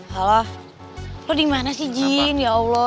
kamu udah taruh